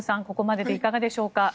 ここまででいかがでしょうか。